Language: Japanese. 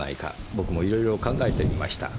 僕もいろいろ考えてみました。